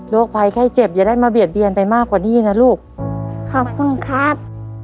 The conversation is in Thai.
ภัยไข้เจ็บอย่าได้มาเบียดเบียนไปมากกว่านี้นะลูกขอบคุณครับ